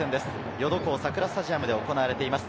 ヨドコウ桜スタジアムで行われています。